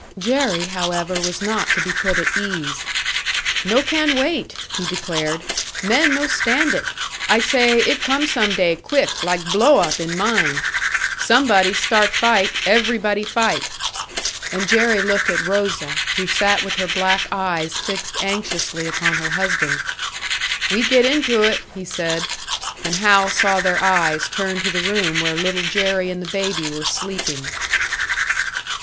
Jerry, however, was not to be put at ease. "No can wait!" he declared. "Men no stand it! I say, 'It come some day quick like blow up in mine! Somebody start fight, everybody fight.'" And Jerry looked at Rosa, who sat with her black eyes fixed anxiously upon her husband. "We get into it," he said; and Hal saw their eyes turn to the room where Little Jerry and the baby were sleeping.